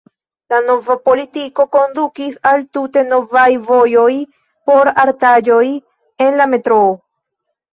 La nova politiko kondukis al tute novaj vojoj por artaĵoj en la metroo.